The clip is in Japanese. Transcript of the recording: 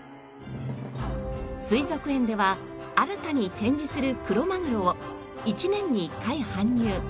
水族園では新たに展示するクロマグロを１年に１回搬入。